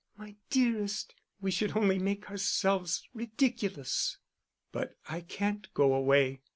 My dearest, we should only make ourselves ridiculous." "But I can't go away.